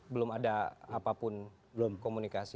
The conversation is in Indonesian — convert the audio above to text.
belum ada apapun komunikasi